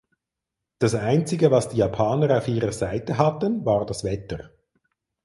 Das Einzige was die Japaner auf ihrer Seite hatten war das Wetter.